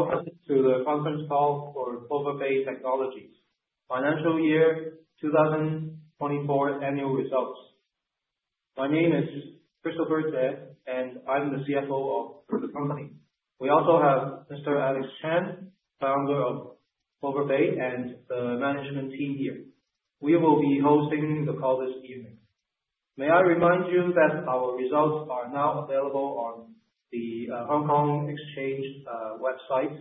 Welcome to the conference call for Plover Bay Technologies, financial year 2024 annual results. My name is Christopher Tse, and I'm the CFO of the company. We also have Mr. Alex Chan, founder of Plover Bay, and the management team here. We will be hosting the call this evening. May I remind you that our results are now available on the Hong Kong Exchange website,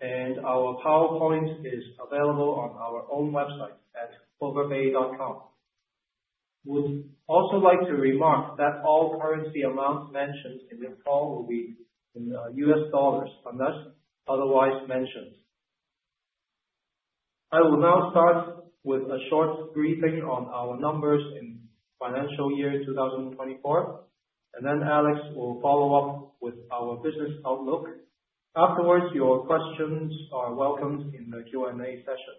and our PowerPoint is available on our own website at PloverBay.com. I would also like to remark that all currency amounts mentioned in this call will be in US dollars unless otherwise mentioned. I will now start with a short briefing on our numbers in financial year 2024, and then Alex will follow up with our business outlook. Afterwards, your questions are welcomed in the Q&A session.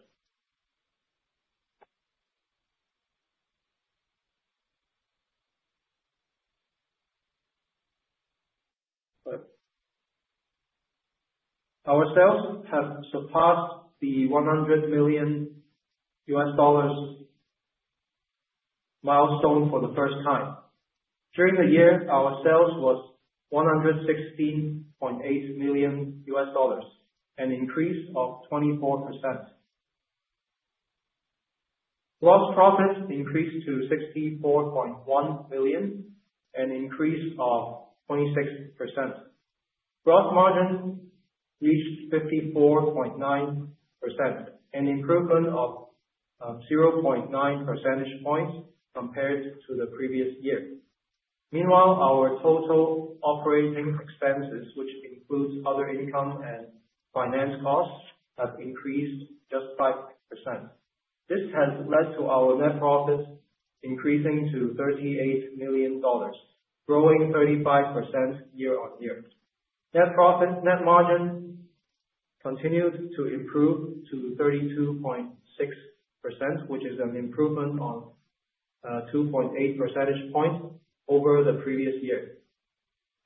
Our sales have surpassed the $100 million milestone for the first time. During the year, our sales was $116.8 million, an increase of 24%. Gross profits increased to $64.1 million and an increase of 26%. Gross margin reached 54.9%, an improvement of 0.9 percentage points compared to the previous year. Meanwhile, our total operating expenses, which includes other income and finance costs, have increased just 5%. This has led to our net profits increasing to $38 million, growing 35% year on year. Net profit net margin continued to improve to 32.6%, which is an improvement of 2.8 percentage points over the previous year.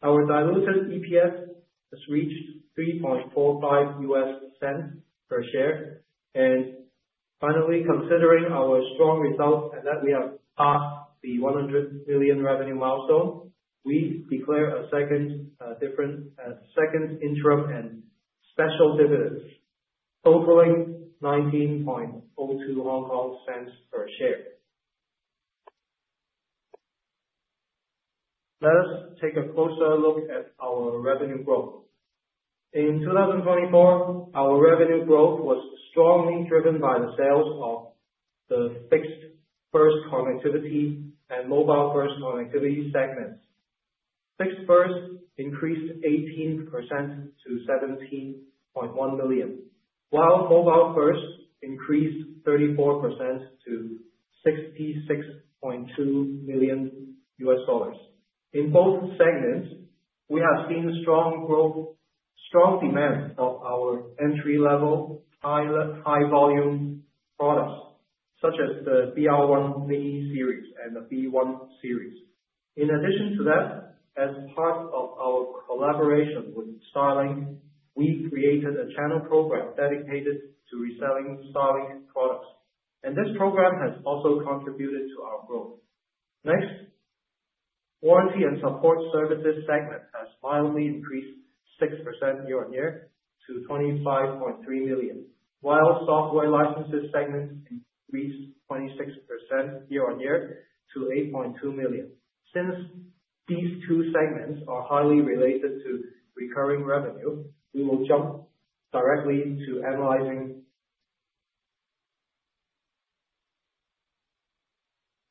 Our diluted EPS has reached $0.0345 per share. And finally, considering our strong results and that we have passed the $100 million revenue milestone, we declare a second interim and special dividends, totaling HKD 0.1902 per share. Let us take a closer look at our revenue growth. In 2024, our revenue growth was strongly driven by the sales of the Fixed-First Connectivity and Mobile-First Connectivity segments. Fixed-First increased 18% to $17.1 million, while Mobile-First increased 34% to $66.2 million. In both segments, we have seen strong growth, strong demand of our entry-level high-volume products, such as the BR1 Mini Series and the B1 Series. In addition to that, as part of our collaboration with Starlink, we created a channel program dedicated to reselling Starlink products, and this program has also contributed to our growth. Next, warranty and support services segment has mildly increased 6% year on year to $25.3 million, while software licenses segment increased 26% year on year to $8.2 million. Since these two segments are highly related to recurring revenue, we will jump directly to analyzing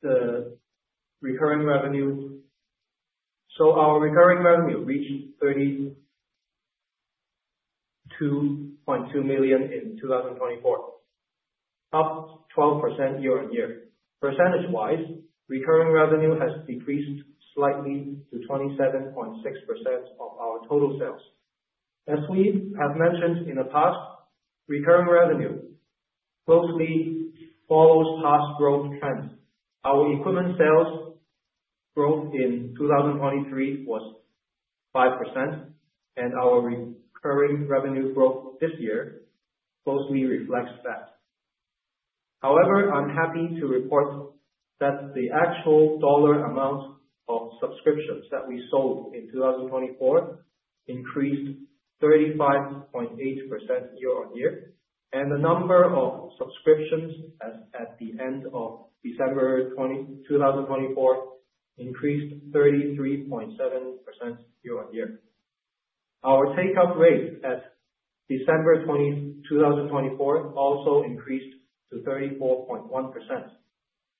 the recurring revenue. So our recurring revenue reached $32.2 million in 2024, up 12% year on year. Percentage-wise, recurring revenue has decreased slightly to 27.6% of our total sales. As we have mentioned in the past, recurring revenue closely follows past growth trends. Our equipment sales growth in 2023 was 5%, and our recurring revenue growth this year closely reflects that. However, I'm happy to report that the actual dollar amount of subscriptions that we sold in 2024 increased 35.8% year on year, and the number of subscriptions as at the end of December 2024 increased 33.7% year on year. Our take-up rate at December 2024 also increased to 34.1%,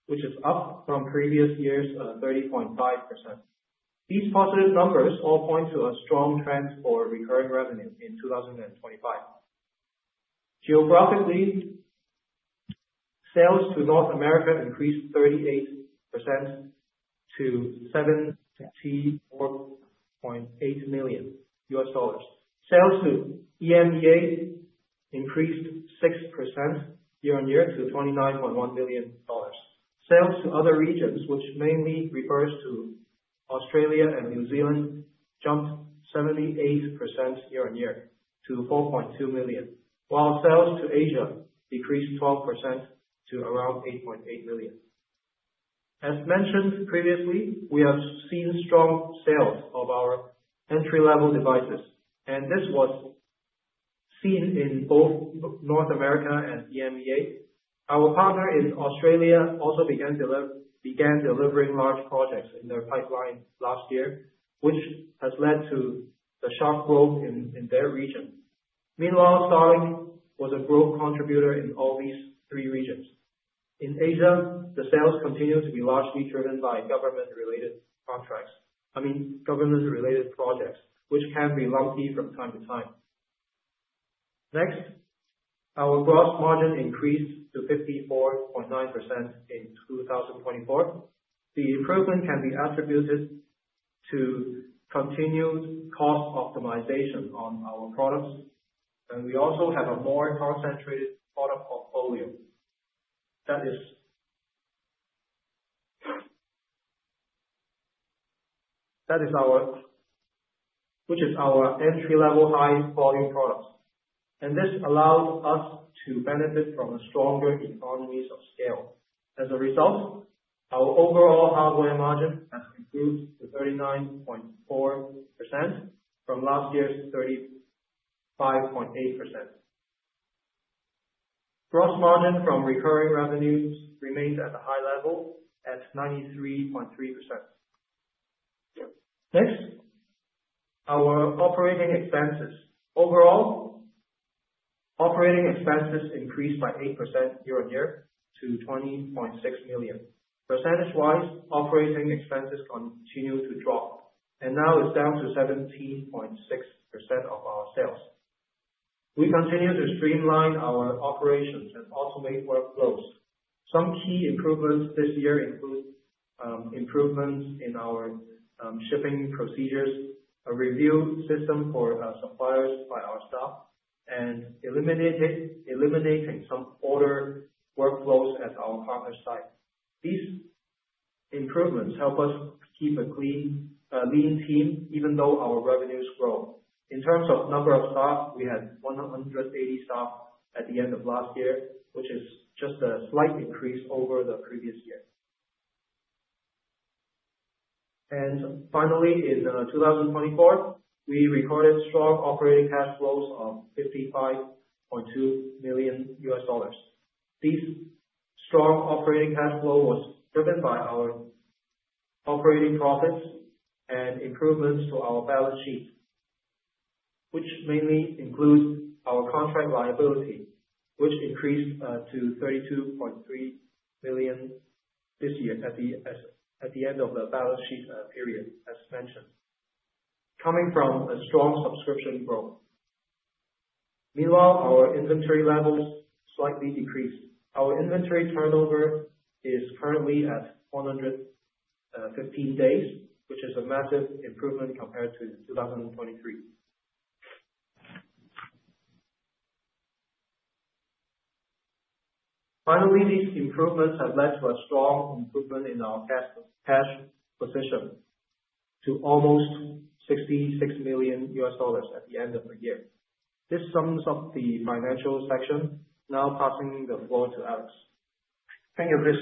which is up from previous year's 30.5%. These positive numbers all point to a strong trend for recurring revenue in 2025. Geographically, sales to North America increased 38% to $74.8 million. Sales to EMEA increased 6% year on year to $29.1 million. Sales to other regions, which mainly refers to Australia and New Zealand, jumped 78% year on year to 4.2 million, while sales to Asia decreased 12% to around 8.8 million. As mentioned previously, we have seen strong sales of our entry-level devices, and this was seen in both North America and EMEA. Our partner in Australia also began delivering large projects in their pipeline last year, which has led to the sharp growth in their region. Meanwhile, Starlink was a growth contributor in all these three regions. In Asia, the sales continue to be largely driven by government-related contracts, I mean government-related projects, which can be lumpy from time to time. Next, our gross margin increased to 54.9% in 2024. The improvement can be attributed to continued cost optimization on our products, and we also have a more concentrated product portfolio. That is our entry-level high-volume products, and this allowed us to benefit from stronger economies of scale. As a result, our overall hardware margin has improved to 39.4% from last year's 35.8%. Gross margin from recurring revenues remains at a high level at 93.3%. Next, our operating expenses. Overall, operating expenses increased by 8% year on year to 20.6 million. Percentage-wise, operating expenses continue to drop, and now it's down to 17.6% of our sales. We continue to streamline our operations and automate workflows. Some key improvements this year include improvements in our shipping procedures, a review system for suppliers by our staff, and eliminating some order workflows at our partner site. These improvements help us keep a clean team even though our revenues grow. In terms of number of staff, we had 180 staff at the end of last year, which is just a slight increase over the previous year. And finally, in 2024, we recorded strong operating cash flows of $55.2 million. This strong operating cash flow was driven by our operating profits and improvements to our balance sheet, which mainly includes our contract liability, which increased to $32.3 million this year at the end of the balance sheet period, as mentioned, coming from a strong subscription growth. Meanwhile, our inventory levels slightly decreased. Our inventory turnover is currently at 115 days, which is a massive improvement compared to 2023. Finally, these improvements have led to a strong improvement in our cash position to almost $66 million at the end of the year. This sums up the financial section. Now passing the floor to Alex. Thank you, Chris.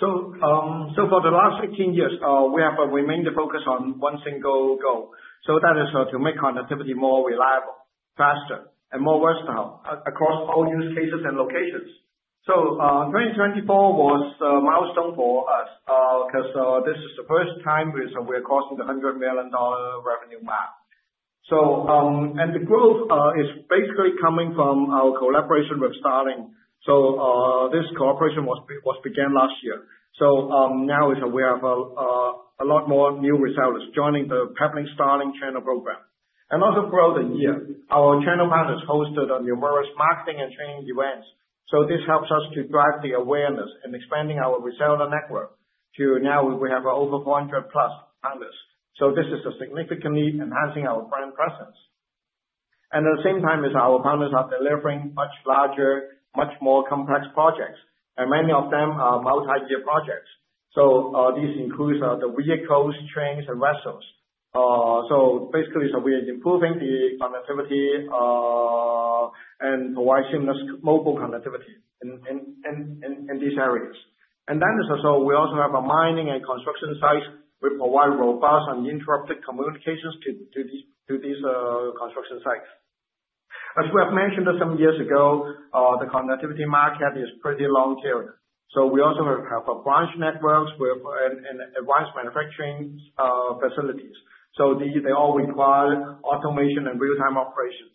For the last 15 years, we have remained focused on one single goal. That is to make connectivity more reliable, faster, and more versatile across all use cases and locations. 2024 was a milestone for us because this is the first time we are crossing the $100 million revenue mark. The growth is basically coming from our collaboration with Starlink. This cooperation was began last year. Now we have a lot more new resellers joining the Plover Bay Starlink channel program. Also throughout the year, our channel partners hosted numerous marketing and training events. This helps us to drive the awareness and expand our reseller network to now we have over 400 plus partners. This is significantly enhancing our brand presence. And at the same time, our partners are delivering much larger, much more complex projects, and many of them are multi-year projects. So these include the vehicles, trains, and vessels. So basically, we are improving the connectivity and providing mobile connectivity in these areas. And then we also have a mining and construction site. We provide robust and uninterrupted communications to these construction sites. As we have mentioned some years ago, the connectivity market is pretty long-term. So we also have branch networks and advanced manufacturing facilities. So they all require automation and real-time operations.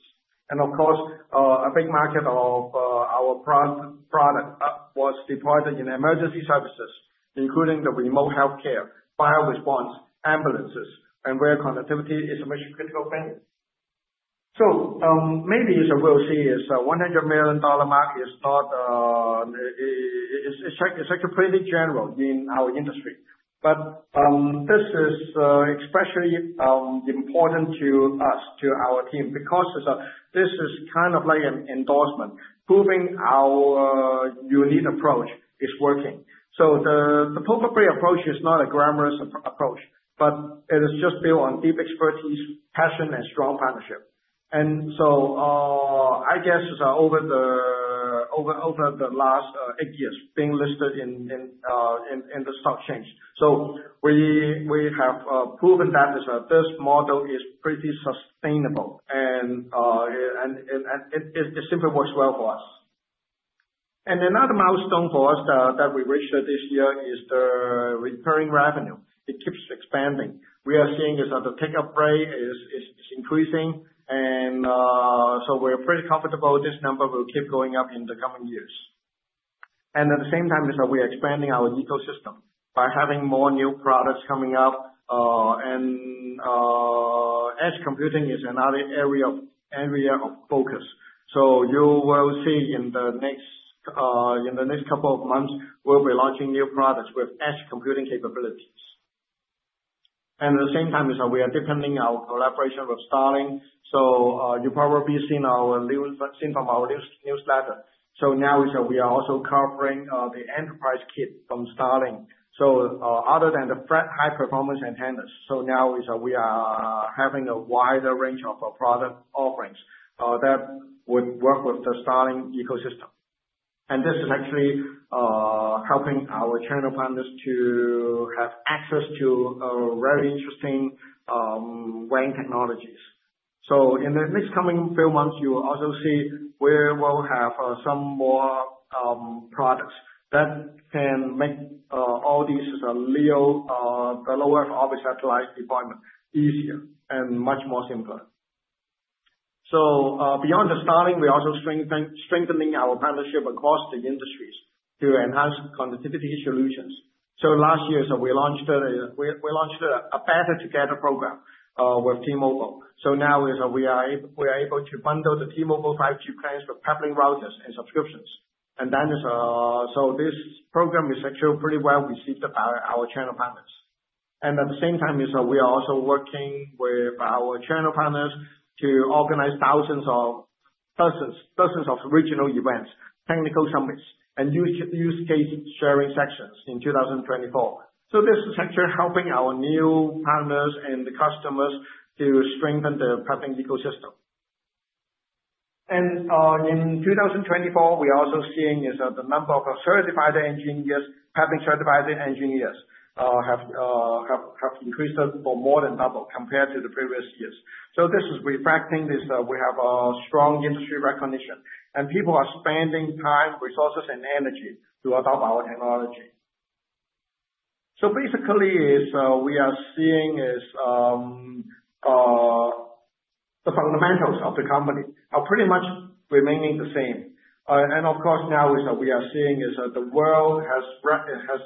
And of course, a big market of our product was deployed in emergency services, including the remote healthcare, fire response, ambulances, and where connectivity is a mission-critical thing. So maybe you will see this $100 million market is not; it's actually pretty general in our industry, but this is especially important to us, to our team, because this is kind of like an endorsement proving our unique approach is working. So the Plover Bay approach is not a glamorous approach, but it is just built on deep expertise, passion, and strong partnership. And so I guess over the last eight years being listed in the stock exchange. So we have proven that this model is pretty sustainable, and it simply works well for us. And another milestone for us that we reached this year is the recurring revenue. It keeps expanding. We are seeing the take-up rate is increasing, and so we're pretty comfortable this number will keep going up in the coming years. And at the same time, we are expanding our ecosystem by having more new products coming up. And edge computing is another area of focus. So you will see in the next couple of months, we'll be launching new products with edge computing capabilities. And at the same time, we are deepening our collaboration with Starlink. So you probably seen from our newsletter. So now we are also covering the enterprise kit from Starlink. So other than the high-performance antennas, so now we are having a wider range of product offerings that would work with the Starlink ecosystem. And this is actually helping our channel partners to have access to very interesting WAN technologies. So in the next coming few months, you will also see we will have some more products that can make all these LEO Low Earth Orbit satellite deployment easier and much more simpler. Beyond the Starlink, we are also strengthening our partnership across the industries to enhance connectivity solutions. Last year, we launched a Better Together program with T-Mobile. Now we are able to bundle the T-Mobile 5G plans with Plover Bay routers and subscriptions. Then this program is actually pretty well received by our channel partners. At the same time, we are also working with our channel partners to organize thousands of regional events, technical summits, and use case sharing sessions in 2024. This is actually helping our new partners and customers to strengthen the Plover Bay ecosystem. In 2024, we are also seeing the number of certified engineers, Plover Bay certified engineers, have increased for more than double compared to the previous years. So this is reflecting we have a strong industry recognition, and people are spending time, resources, and energy to adopt our technology. So basically, we are seeing the fundamentals of the company are pretty much remaining the same. And of course, now we are seeing the world has,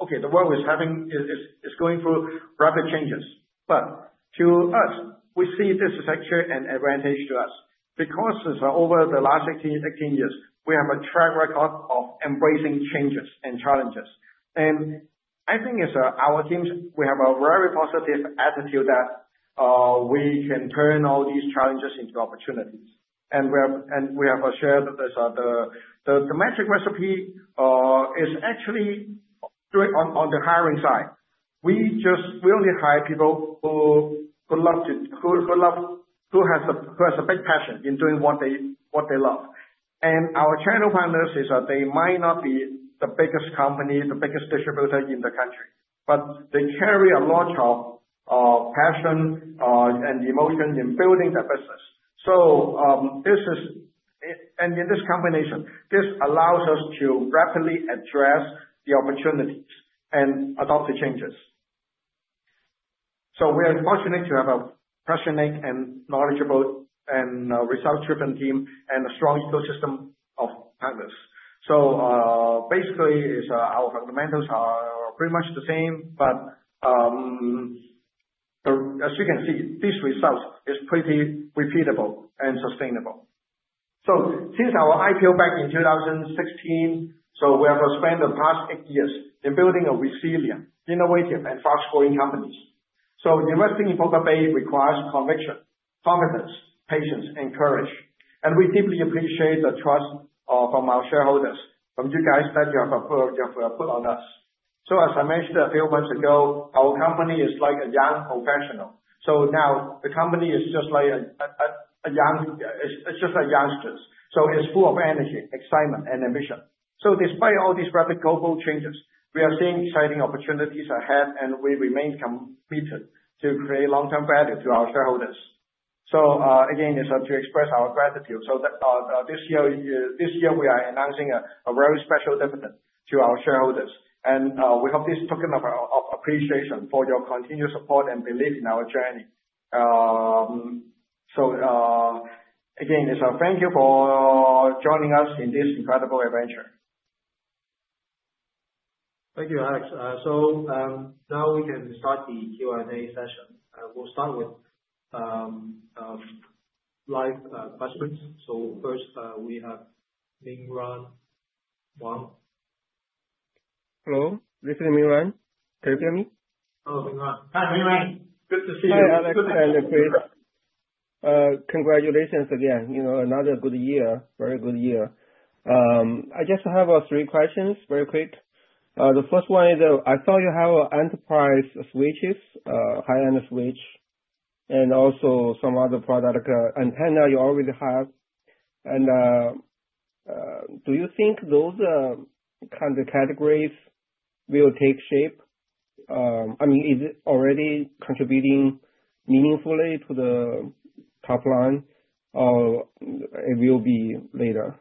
okay, the world is going through rapid changes. But to us, we see this is actually an advantage to us because over the last 18 years, we have a track record of embracing changes and challenges. And I think our teams, we have a very positive attitude that we can turn all these challenges into opportunities. And we have shared the magic recipe is actually on the hiring side. We only hire people who have a big passion in doing what they love. And our channel partners, they might not be the biggest company, the biggest distributor in the country, but they carry a lot of passion and emotion in building their business. And in this combination, this allows us to rapidly address the opportunities and adopt the changes. So we are fortunate to have a passionate and knowledgeable and resource-driven team and a strong ecosystem of partners. So basically, our fundamentals are pretty much the same, but as you can see, this result is pretty repeatable and sustainable. So since our IPO back in 2016, so we have spent the past eight years in building a resilient, innovative, and fast-growing company. So investing in Plover Bay requires conviction, confidence, patience, and courage. And we deeply appreciate the trust from our shareholders, from you guys that you have put on us. As I mentioned a few months ago, our company is like a young professional. Now the company is just like a youngster. It's full of energy, excitement, and ambition. Despite all these rapid global changes, we are seeing exciting opportunities ahead, and we remain committed to create long-term value to our shareholders. Again, it's to express our gratitude. This year, we are announcing a very special dividend to our shareholders. We have this token of appreciation for your continued support and belief in our journey. Again, thank you for joining us in this incredible adventure. Thank you, Alex. So now we can start the Q&A session. We'll start with live questions. So first, we have Ming Ran. Hello. This is Ming Ran. Can you hear me? Hello, Ming Ran. Hi, Ming Ran. Good to see you. Hi, Alex. Congratulations again. Another good year, very good year. I just have three questions, very quick. The first one is, I saw you have enterprise switches, high-end switch, and also some other product antenna you already have. And do you think those kind of categories will take shape? I mean, is it already contributing meaningfully to the top line or it will be later?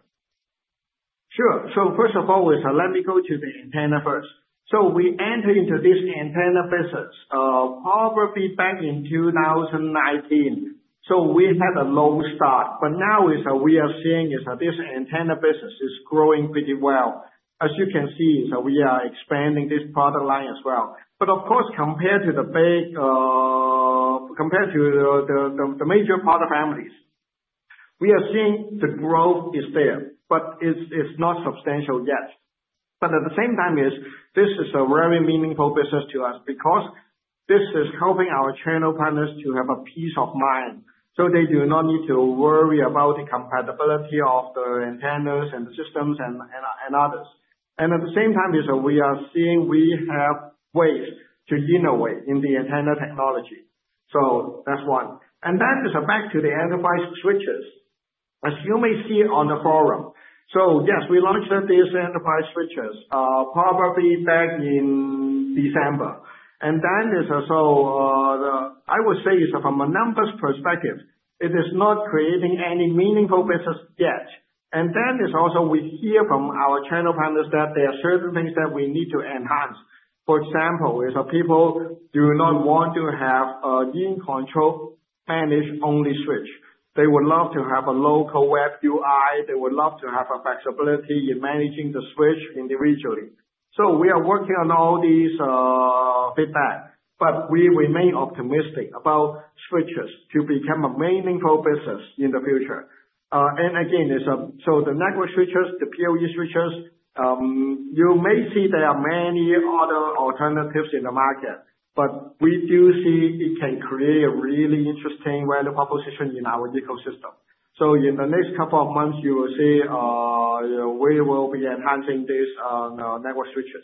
Sure. So first of all, let me go to the antenna first. So we entered into this antenna business probably back in 2019. So we had a low start. But now we are seeing this antenna business is growing pretty well. As you can see, we are expanding this product line as well. But of course, compared to the major product families, we are seeing the growth is there, but it's not substantial yet. But at the same time, this is a very meaningful business to us because this is helping our channel partners to have a peace of mind. So they do not need to worry about the compatibility of the antennas and the systems and others. And at the same time, we are seeing we have ways to innovate in the antenna technology. So that's one. And that is back to the enterprise switches, as you may see on the forum. So yes, we launched these enterprise switches probably back in December. And then I would say from a numbers perspective, it is not creating any meaningful business yet. And then also we hear from our channel partners that there are certain things that we need to enhance. For example, people do not want to have a lean control managed-only switch. They would love to have a local web UI. They would love to have a flexibility in managing the switch individually. So we are working on all this feedback, but we remain optimistic about switches to become a meaningful business in the future. The network switches, the PoE switches, you may see there are many other alternatives in the market, but we do see it can create a really interesting value proposition in our ecosystem. In the next couple of months, you will see we will be enhancing these network switches.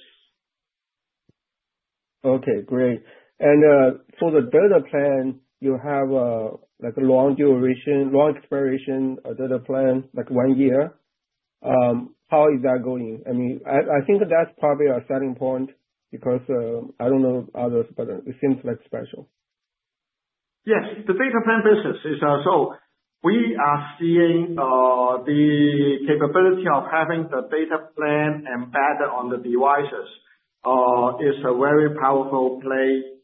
Okay, great. And for the data plan, you have a long duration, long expiration data plan, like one year. How is that going? I mean, I think that's probably a selling point because I don't know others, but it seems special. Yes, the data plan business is also we are seeing the capability of having the data plan embedded on the devices is a very powerful play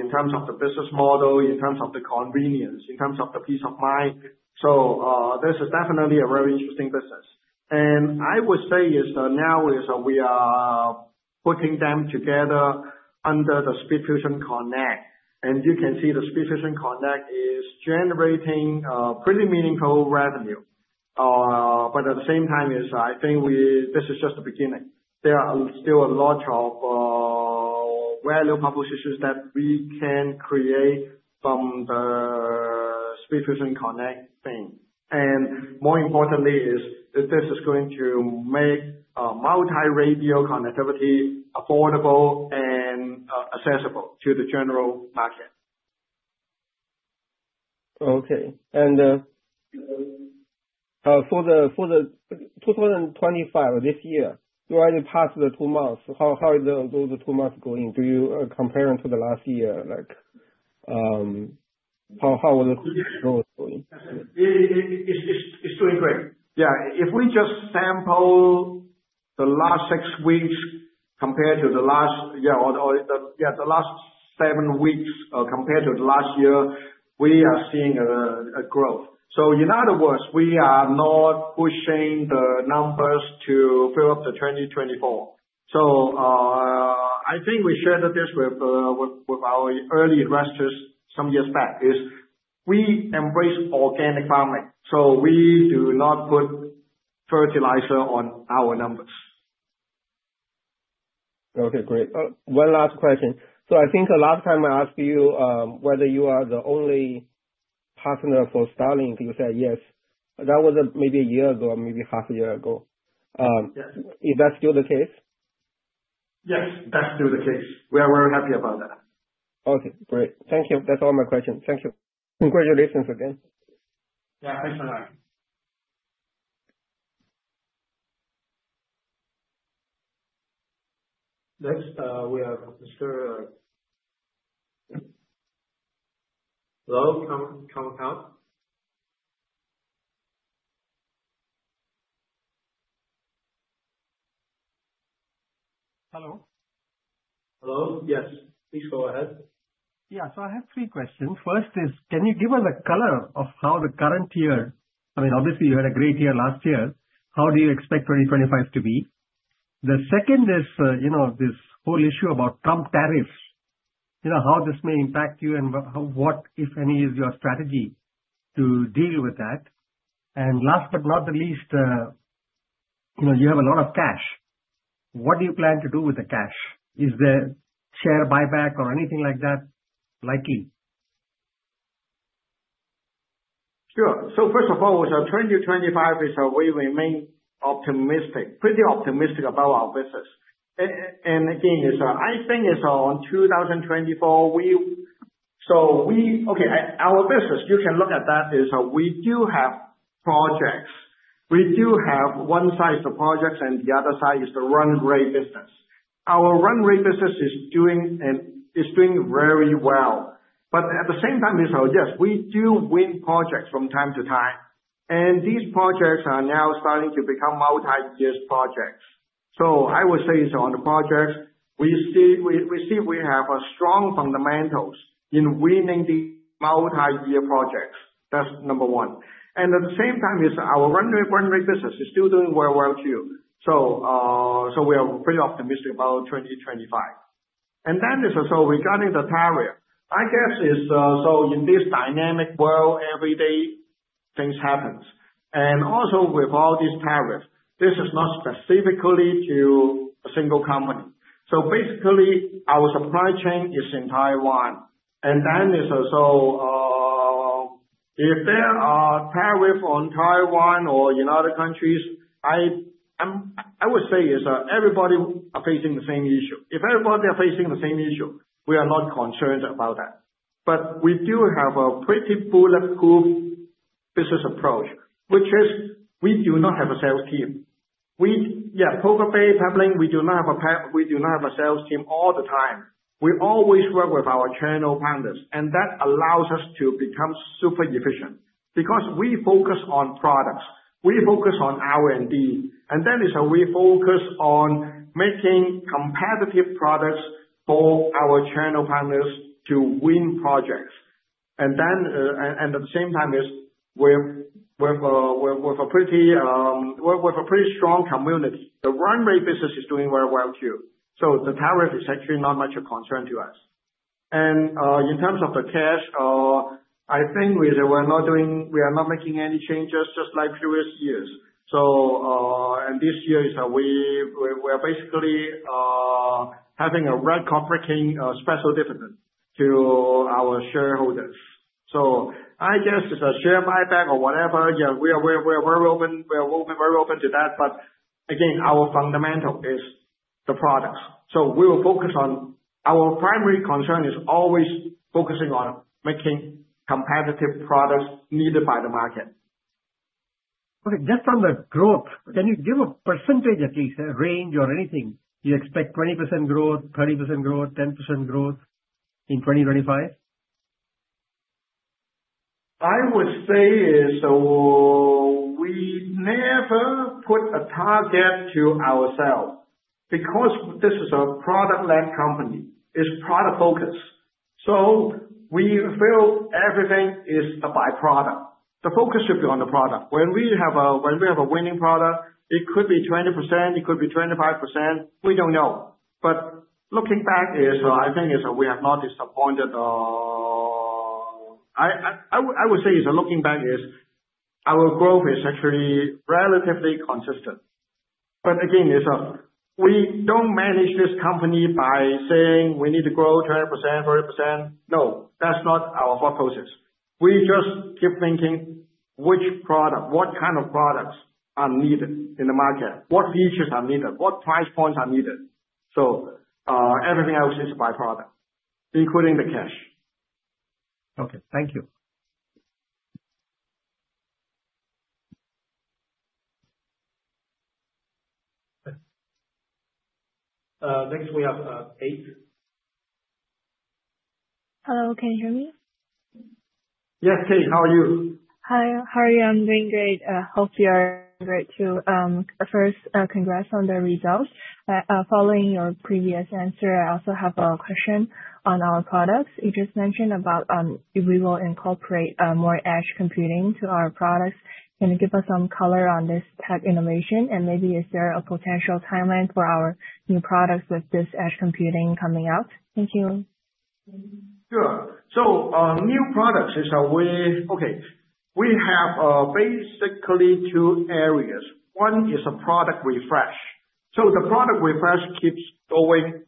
in terms of the business model, in terms of the convenience, in terms of the peace of mind. So this is definitely a very interesting business. And I would say now we are putting them together under the SpeedFusion Connect. And you can see the SpeedFusion Connect is generating pretty meaningful revenue. But at the same time, I think this is just the beginning. There are still a lot of value propositions that we can create from the SpeedFusion Connect thing. And more importantly, this is going to make multi-radio connectivity affordable and accessible to the general market. Okay. And for the 2025, this year, you already passed the two months. How are those two months going? Do you compare it to the last year? How is the growth going? It's doing great. Yeah. If we just sample the last six weeks compared to the last, yeah, the last seven weeks compared to the last year, we are seeing a growth. So in other words, we are not pushing the numbers to fill up the 2024. So I think we shared this with our early investors some years back, is we embrace organic farming. So we do not put fertilizer on our numbers. Okay, great. One last question. So I think last time I asked you whether you are the only partner for Starlink, you said yes. That was maybe a year ago or maybe half a year ago. Is that still the case? Yes, that's still the case. We are very happy about that. Okay, great. Thank you. That's all my questions. Thank you. Congratulations again. Yeah, thanks for that. Next, we have Mr. Hello. Can we help? Hello. Hello? Yes, please go ahead. Yeah. So I have three questions. First is, can you give us a color on how the current year? I mean, obviously, you had a great year last year. How do you expect 2025 to be? The second is this whole issue about Trump tariffs, how this may impact you and what, if any, is your strategy to deal with that? And last but not least, you have a lot of cash. What do you plan to do with the cash? Is there share buyback or anything like that likely? Sure. So first of all, 2025, we remain optimistic, pretty optimistic about our business. And again, I think on 2024, so okay, our business, you can look at that is we do have projects. We do have one side is the projects and the other side is the run-rate business. Our run-rate business is doing very well. But at the same time, yes, we do win projects from time to time. And these projects are now starting to become multi-year projects. I would say on the projects, we see we have strong fundamentals in winning the multi-year projects. That's number one. And at the same time, our run-rate business is still doing very well too. We are pretty optimistic about 2025. And then regarding the tariff, I guess so in this dynamic world, every day things happen. Also with all these tariffs, this is not specifically to a single company. So basically, our supply chain is in Taiwan. Then if there are tariffs on Taiwan or in other countries, I would say everybody is facing the same issue. If everybody is facing the same issue, we are not concerned about that. But we do have a pretty bulletproof business approach, which is we do not have a sales team. Yeah, Plover Bay Technologies, we do not have a sales team all the time. We always work with our channel partners. And that allows us to become super efficient because we focus on products. We focus on R&D. And then we focus on making competitive products for our channel partners to win projects. And at the same time, we have a pretty strong community. The run-rate business is doing very well too. So the tariff is actually not much a concern to us. And in terms of the cash, I think we are not making any changes just like previous years. And this year, we are basically having a special dividend to our shareholders. So I guess it's a share buyback or whatever. Yeah, we are very open to that. But again, our fundamental is the products. So we will focus on our primary concern is always focusing on making competitive products needed by the market. Okay. Just on the growth, can you give a percentage at least, a range or anything? You expect 20% growth, 30% growth, 10% growth in 2025? I would say we never put a target to ourselves because this is a product-led company. It's product-focused. So we feel everything is a byproduct. The focus should be on the product. When we have a winning product, it could be 20%, it could be 25%. We don't know. But looking back, I think we have not disappointed. I would say looking back, our growth is actually relatively consistent. But again, we don't manage this company by saying we need to grow 10%, 30%. No, that's not our focus. We just keep thinking which product, what kind of products are needed in the market, what features are needed, what price points are needed. So everything else is a byproduct, including the cash. Okay. Thank you. Next, we have Kate. Hello. Can you hear me? Yes, Kate, how are you? Hi, how are you? I'm doing great. Hope you're great too. First, congrats on the results. Following your previous answer, I also have a question on our products. You just mentioned about if we will incorporate more edge computing to our products. Can you give us some color on this tech innovation? And maybe is there a potential timeline for our new products with this edge computing coming out? Thank you. Sure. So new products is a way, okay. We have basically two areas. One is a product refresh. So the product refresh keeps going.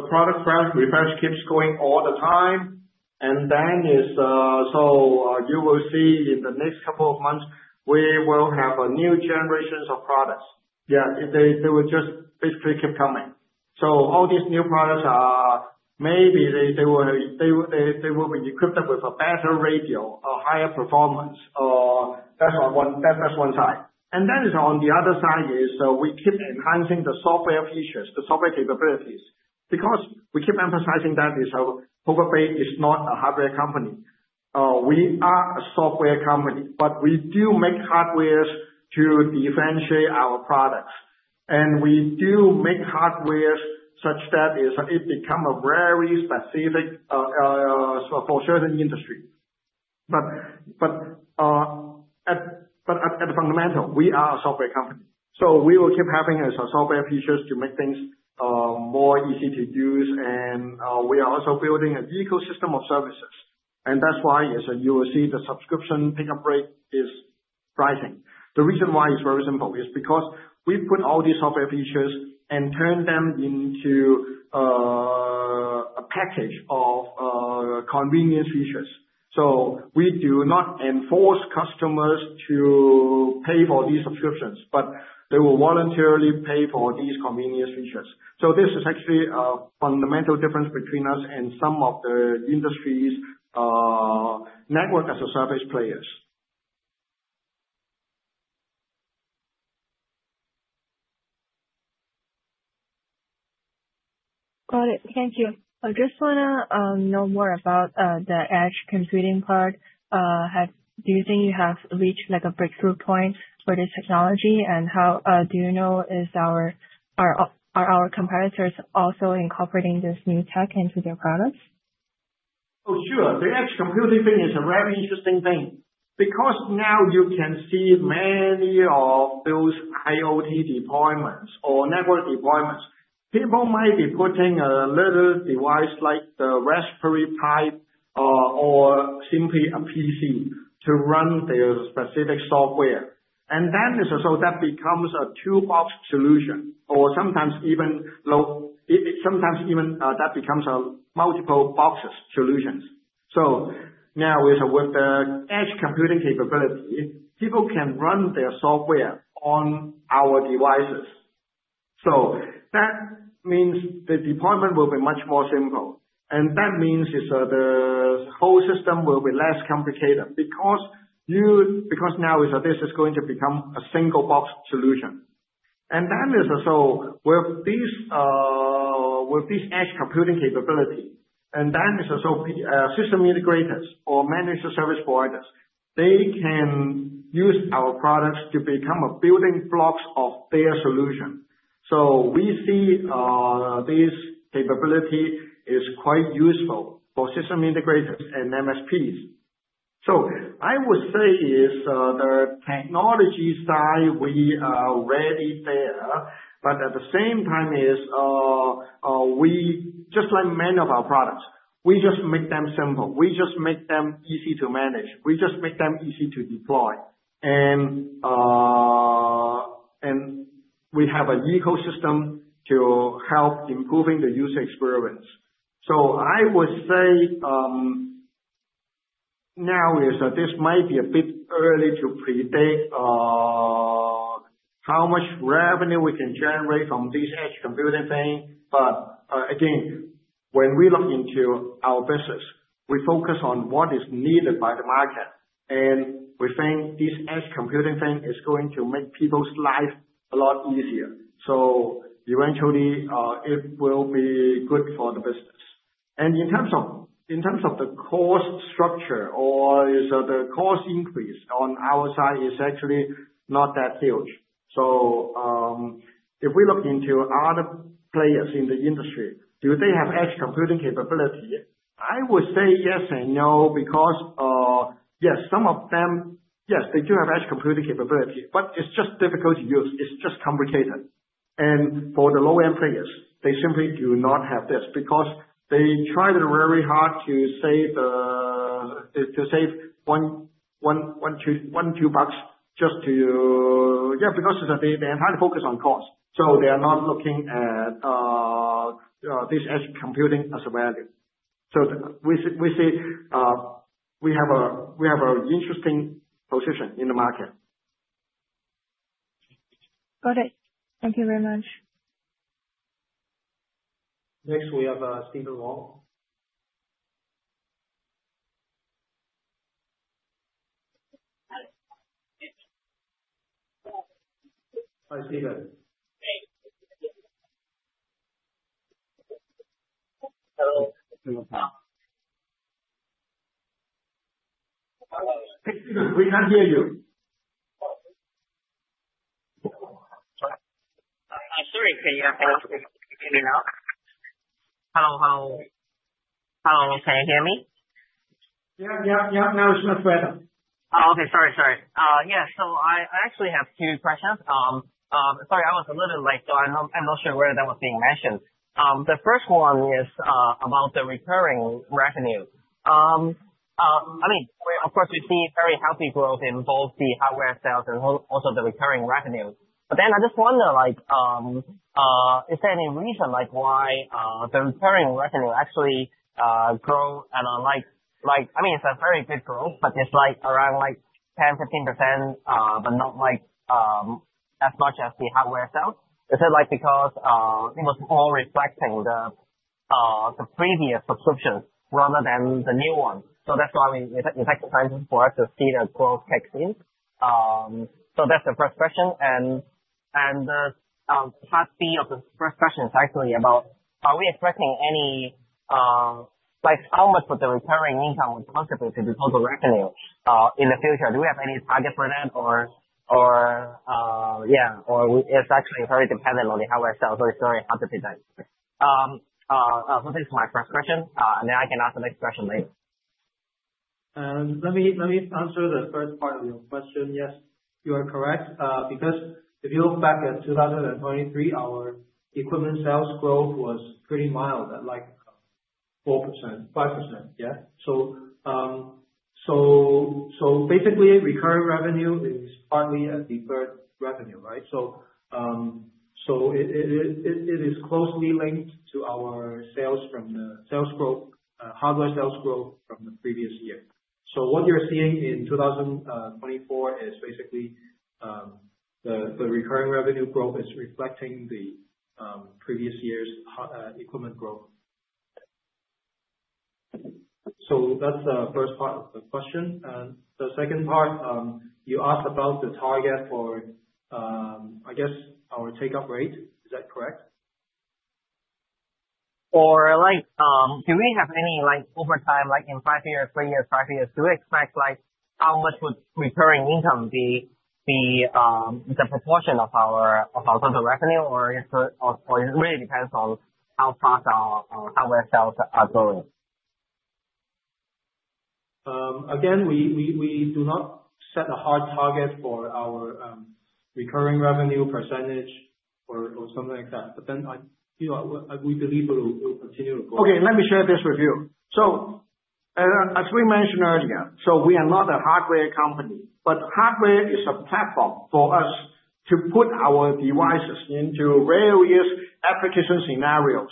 The product refresh keeps going all the time. And then you will see in the next couple of months, we will have new generations of products. Yeah, they will just basically keep coming. So all these new products, maybe they will be equipped with a better radio, a higher performance. That's one side. And then on the other side is we keep enhancing the software features, the software capabilities. Because we keep emphasizing that Plover Bay is not a hardware company. We are a software company, but we do make hardware to differentiate our products. And we do make hardware such that it becomes very specific for certain industries. But at the fundamental, we are a software company. So we will keep having software features to make things more easy to use. And we are also building an ecosystem of services. And that's why you will see the subscription take-up rate is rising. The reason why is very simple. It's because we put all these software features and turn them into a package of convenience features. So we do not enforce customers to pay for these subscriptions, but they will voluntarily pay for these convenience features. So this is actually a fundamental difference between us and some of the industry's network as a service players. Got it. Thank you. I just want to know more about the edge computing part. Do you think you have reached a breakthrough point for this technology? And how do you know? Are our competitors also incorporating this new tech into their products? Oh, sure. The edge computing thing is a very interesting thing. Because now you can see many of those IoT deployments or network deployments, people might be putting a little device like the Raspberry Pi or simply a PC to run their specific software. And then that becomes a two-box solution. Or sometimes even that becomes multiple boxes solutions. So now with the edge computing capability, people can run their software on our devices. So that means the deployment will be much more simple. And that means the whole system will be less complicated because now this is going to become a single box solution. And then with this edge computing capability, and then system integrators or managed service providers, they can use our products to become building blocks of their solution. So we see this capability is quite useful for system integrators and MSPs. So I would say the technology side we are already there. But at the same time, just like many of our products, we just make them simple. We just make them easy to manage. We just make them easy to deploy. And we have an ecosystem to help improving the user experience. So I would say now this might be a bit early to predict how much revenue we can generate from this edge computing thing. But again, when we look into our business, we focus on what is needed by the market. And we think this edge computing thing is going to make people's life a lot easier. So eventually, it will be good for the business. And in terms of the cost structure or the cost increase on our side is actually not that huge. So if we look into other players in the industry, do they have edge computing capability? I would say yes and no because, yes, some of them, yes, they do have edge computing capability. But it's just difficult to use. It's just complicated. And for the low-end players, they simply do not have this because they try very hard to save one or two bucks just to, yeah, because they're entirely focused on cost. So they are not looking at this edge computing as a value. So we see we have an interesting position in the market. Got it. Thank you very much. Next, we have Stephen Wong. Hi, Stephen. Hello. Stephen, we can't hear you. I'm sorry. Can you hear me now? Hello. Can you hear me? Yeah. Yeah. Yeah. Now it's much better. Oh, okay. Sorry. Sorry. Yeah. So I actually have two questions. Sorry, I was a little late. So I'm not sure where that was being mentioned. The first one is about the recurring revenue. I mean, of course, we see very healthy growth in both the hardware sales and also the recurring revenue. But then I just wonder, is there any reason why the recurring revenue actually grows? I mean, it's a very big growth, but it's around 10%, 15%, but not as much as the hardware sales. Is it because it was more reflecting the previous subscriptions rather than the new ones? So that's why it's exciting for us to see the growth kick in. So that's the first question. And part B of the first question is actually about, are we expecting how much of the recurring income will contribute to the total revenue in the future? Do we have any target for that? Or it's actually very dependent on the hardware sales, so it's very hard to predict. So this is my first question, and then I can ask the next question later. Let me answer the first part of your question. Yes, you are correct. Because if you look back at 2023, our equipment sales growth was pretty mild, at 4%, 5%. Yeah. So basically, recurring revenue is partly a deferred revenue, right? So it is closely linked to our sales from the hardware sales growth from the previous year. So what you're seeing in 2024 is basically the recurring revenue growth is reflecting the previous year's equipment growth. So that's the first part of the question. And the second part, you asked about the target for, I guess, our take-up rate. Is that correct? Or do we have any over time, like in five years, three years, five years, do we expect how much would recurring income be the proportion of our total revenue? Or it really depends on how fast our hardware sales are growing? Again, we do not set a hard target for our recurring revenue percentage or something like that, but then we believe it will continue to grow. Okay. Let me share this with you. So as we mentioned earlier, so we are not a hardware company. But hardware is a platform for us to put our devices into various application scenarios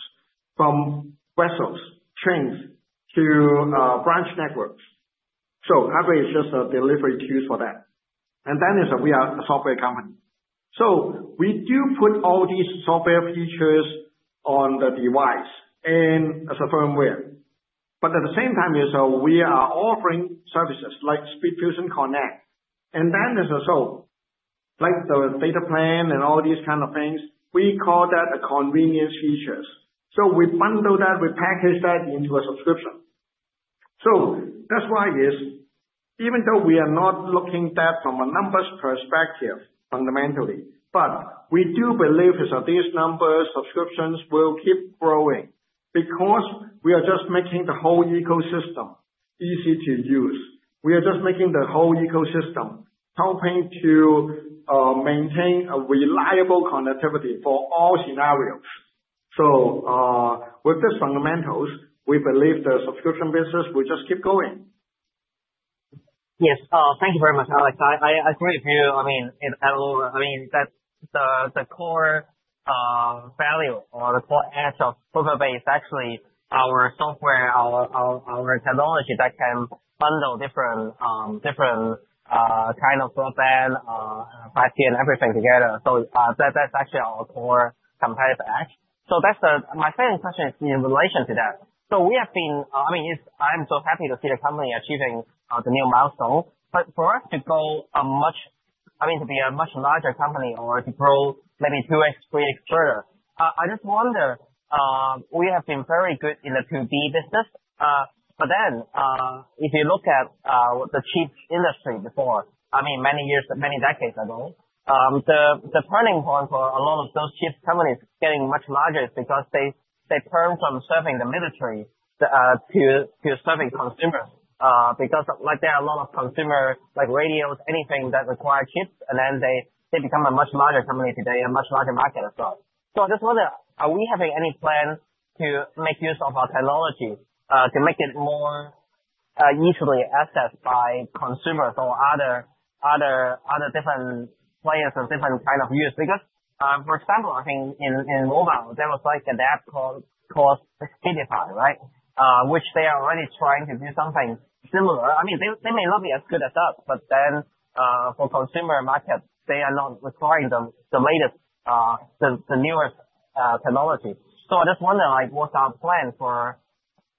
from vessels, trains, to branch networks. So hardware is just a delivery tool for that. And then we are a software company. So we do put all these software features on the device as a firmware. But at the same time, we are offering services like SpeedFusion Connect. And then there's also the data plan and all these kinds of things. We call that convenience features. So we bundle that. We package that into a subscription. So that's why even though we are not looking at that from a numbers perspective, fundamentally, but we do believe these numbers, subscriptions will keep growing because we are just making the whole ecosystem easy to use. We are just making the whole ecosystem helping to maintain a reliable connectivity for all scenarios, so with these fundamentals, we believe the subscription business will just keep going. Yes. Thank you very much, Alex. I agree with you. I mean, the core value or the core edge of Plover Bay is actually our software, our technology that can bundle different kinds of broadband, 5G, and everything together. So that's actually our core competitor edge. So my second question is in relation to that. So I mean, I'm so happy to see the company achieving the new milestone. But for us to go to be a much larger company or to grow maybe two or three times further, I just wonder, we have been very good in the B2B business. But then if you look at the chip industry before, I mean, many years, many decades ago, the turning point for a lot of those chip companies getting much larger is because they turned from serving the military to serving consumers. Because there are a lot of consumer radios, anything that requires chips. And then they become a much larger company today, a much larger market as well. So I just wonder, are we having any plans to make use of our technology to make it more easily accessed by consumers or other different players of different kinds of use? Because, for example, I think in mobile, there was an app called Speedify, right, which they are already trying to do something similar. I mean, they may not be as good as us, but then for consumer markets, they are not requiring the latest, the newest technology. So I just wonder, what's our plan for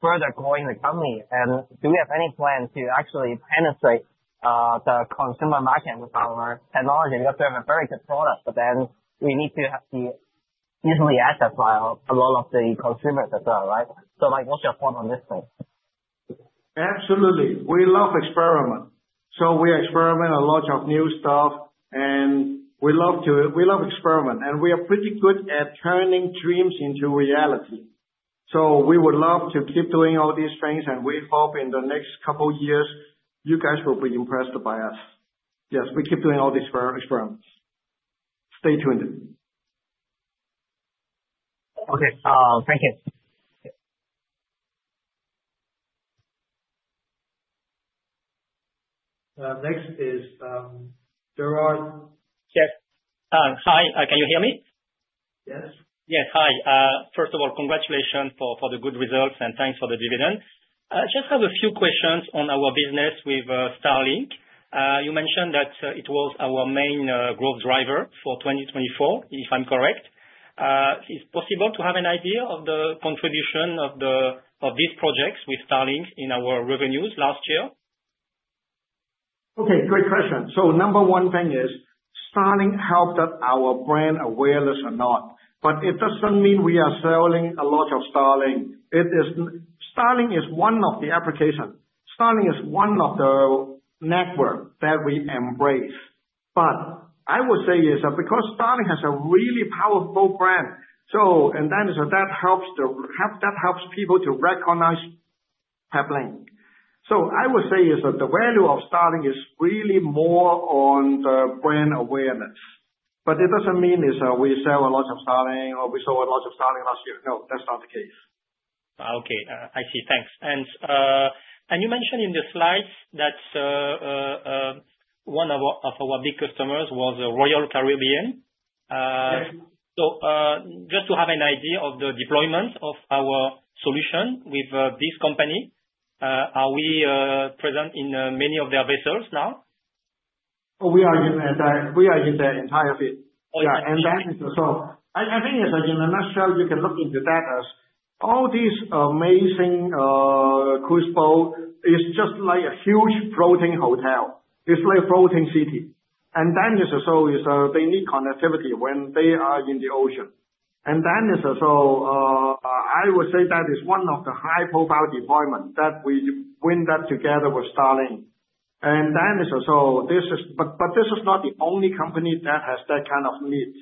further growing the company? And do we have any plan to actually penetrate the consumer market with our technology? Because we have a very good product, but then we need to be easily accessed by a lot of the consumers as well, right? So what's your thought on this thing? Absolutely. We love experiments. So we experiment a lot of new stuff. And we love experiments. And we are pretty good at turning dreams into reality. So we would love to keep doing all these things. And we hope in the next couple of years, you guys will be impressed by us. Yes, we keep doing all these experiments. Stay tuned. Okay. Thank you. Next is Gerard. Yes. Hi. Can you hear me? Yes. Yes. Hi. First of all, congratulations for the good results. And thanks for the dividend. Just have a few questions on our business with Starlink. You mentioned that it was our main growth driver for 2024, if I'm correct. Is it possible to have an idea of the contribution of these projects with Starlink in our revenues last year? Okay. Great question. So number one thing is Starlink helped our brand awareness a lot. But it doesn't mean we are selling a lot of Starlink. Starlink is one of the applications. Starlink is one of the networks that we embrace. But I would say is because Starlink has a really powerful brand. And then that helps people to recognize Peplink. So I would say is the value of Starlink is really more on the brand awareness. But it doesn't mean is we sell a lot of Starlink or we sold a lot of Starlink last year. No, that's not the case. Okay. I see. Thanks. And you mentioned in the slides that one of our big customers was Royal Caribbean. So just to have an idea of the deployment of our solution with this company, are we present in many of their vessels now? We are in the entire fleet. I think in a nutshell, you can look into that as all these amazing cruise boats are just like a huge floating hotel. It's like a floating city. They need connectivity when they are in the ocean. I would say that is one of the high-profile deployments that we went up together with Starlink. This is, but this is not the only company that has that kind of needs.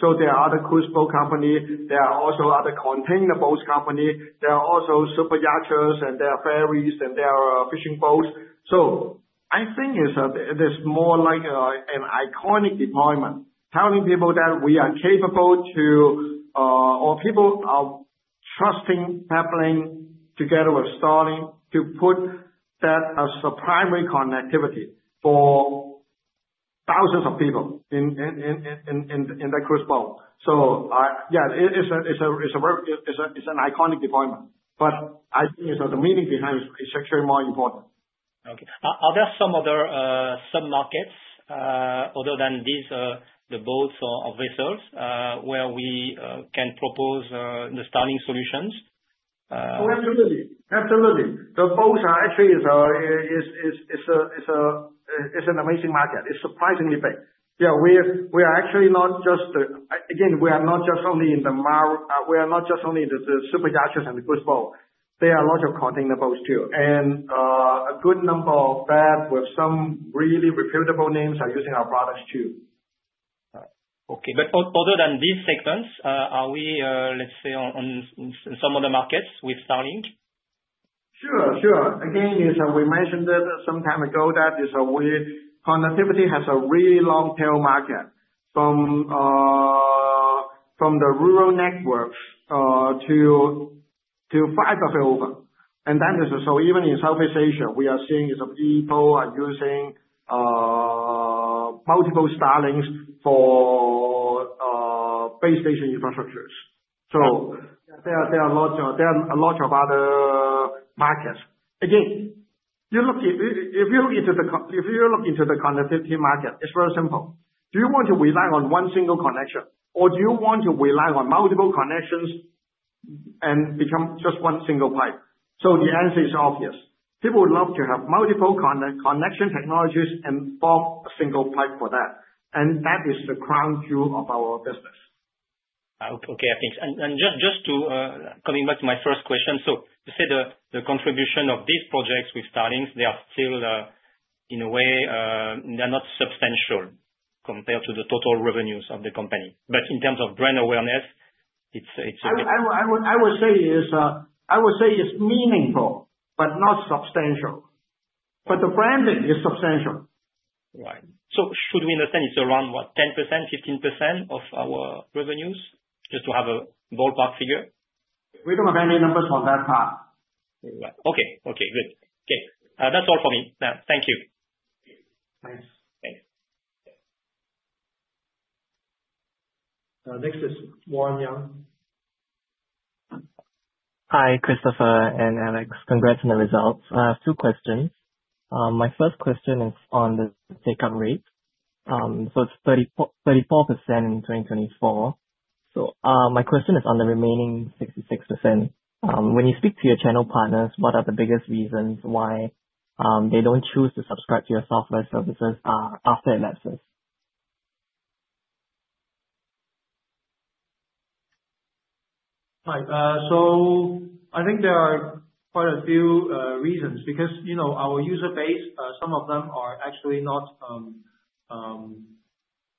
There are other cruise boat companies. There are also other container boat companies. There are also superyachts, and there are ferries, and there are fishing boats. So, I think it's more like an iconic deployment telling people that we are capable to or people are trusting Peplink together with Starlink to put that as a primary connectivity for thousands of people in the cruise boat. So yeah, it's an iconic deployment. But I think the meaning behind it is actually more important. Okay. Are there some other sub-markets, other than these, the boats or vessels, where we can propose the Starlink solutions? Oh, absolutely. Absolutely. The boats actually is an amazing market. It's surprisingly big. Yeah. We are actually not just only in the superyachts and the cruise boats. There are a lot of container boats too. And a good number of that with some really reputable names are using our products too. Okay. But other than these segments, are we, let's say, in some other markets with Starlink? Sure. Sure. Again, we mentioned this some time ago that connectivity has a really long-tail market from the rural networks to far afield, and then so even in Southeast Asia, we are seeing people are using multiple Starlinks for base station infrastructures. So there are a lot of other markets. Again, if you look into the connectivity market, it's very simple. Do you want to rely on one single connection? Or do you want to rely on multiple connections and become just one single pipe? So the answer is obvious. People would love to have multiple connection technologies and bond to a single pipe for that. And that is the crown jewel of our business. Okay. I think. And just coming back to my first question. So you said the contribution of these projects with Starlink, they are still, in a way, they're not substantial compared to the total revenues of the company. But in terms of brand awareness, it's a bit. I would say is meaningful, but not substantial. But the branding is substantial. Right. So should we understand it's around, what, 10%, 15% of our revenues, just to have a ballpark figure? We don't have any numbers on that part. Right. Okay. Okay. Good. Okay. That's all for me. Thank you. Thanks. Thanks. Next is Wang Yang. Hi, Christopher and Alex. Congrats on the results. I have two questions. My first question is on the take-up rate. So it's 34% in 2024. So my question is on the remaining 66%. When you speak to your channel partners, what are the biggest reasons why they don't choose to subscribe to your software services after elapses? Hi. So I think there are quite a few reasons. Because our user base, some of them are actually not